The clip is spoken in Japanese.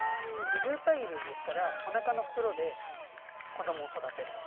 有袋類ですから、おなかの袋で子供を育てる。